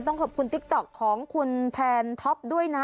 ต้องขอบคุณติ๊กต๊อกของคุณแทนท็อปด้วยนะ